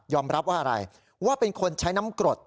รับว่าอะไรว่าเป็นคนใช้น้ำกรด